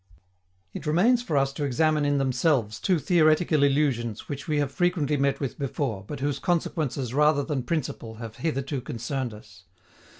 It remains for us to examine in themselves two theoretical illusions which we have frequently met with before, but whose consequences rather than principle have hitherto concerned us.